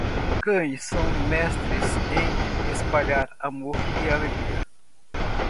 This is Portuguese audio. Cães são mestres em espalhar amor e alegria.